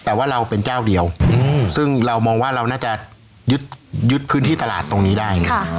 แต่ว่าเราเป็นเจ้าเดียวซึ่งเรามองว่าเราน่าจะยึดพื้นที่ตลาดตรงนี้ได้